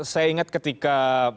saya ingat ketika